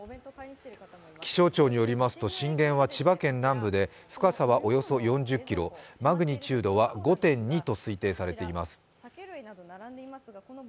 気象庁によりますと震源は千葉県南部で深さはおよそ４０ｋｍ、マグニチュードは５．２と推定されています。